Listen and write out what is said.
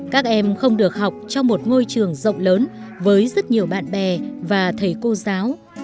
các em không được học trong một ngôi trường rộng lớn với rất nhiều bạn bè và thầy cô giáo